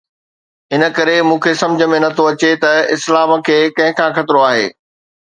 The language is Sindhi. ان ڪري مون کي سمجهه ۾ نٿو اچي ته اسلام کي ڪنهن کان خطرو آهي؟